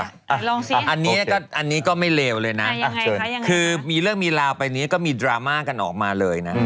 อันนี้ก็ไม่เลวเลยนะยังไงคะยังไงคะคือเรื่องมีราวระนี้ก็มีดราม่ากันออกมาเลยนะ